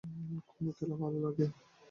কোন খেলা ভালো লাগে?